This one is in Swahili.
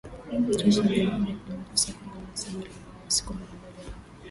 Jeshi la jamhuri ya kidemokrasia ya Kongo linasema limeua waasi kumi na moja wa